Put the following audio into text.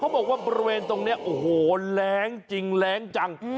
บริเวณตรงนี้โอ้โหแหลงจริงแหลงจัง